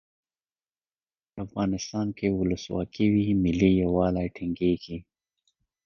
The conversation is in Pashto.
کله چې افغانستان کې ولسواکي وي ملي یووالی ټینګیږي.